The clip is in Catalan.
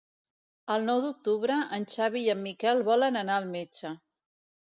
El nou d'octubre en Xavi i en Miquel volen anar al metge.